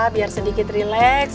biar sedikit relax